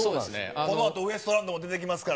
このあとウエストランドも出てきますから。